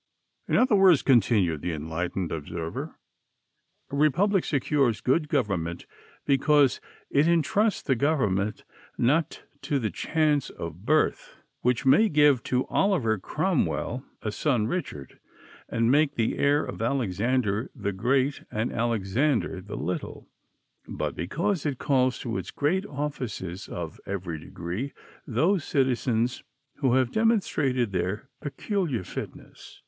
"In other words," continued the Enlightened Observer, "a republic secures good government because it intrusts the government not to the chance of birth, which may give to Oliver Cromwell a son Richard, and make the heir of Alexander the Great an Alexander the Little, but because it calls to its great offices of every degree those citizens who have demonstrated their peculiar fitness."